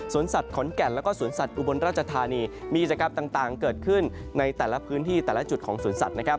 สัตว์ขอนแก่นแล้วก็สวนสัตว์อุบลราชธานีมีกิจกรรมต่างเกิดขึ้นในแต่ละพื้นที่แต่ละจุดของสวนสัตว์นะครับ